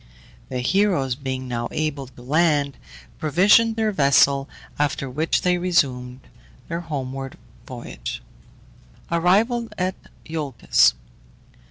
The heroes being now able to land, provisioned their vessel, after which they resumed their homeward voyage. ARRIVAL AT IOLCUS.